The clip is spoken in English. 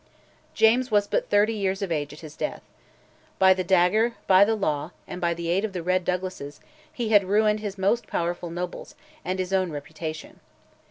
James was but thirty years of age at his death. By the dagger, by the law, and by the aid of the Red Douglases, he had ruined his most powerful nobles and his own reputation.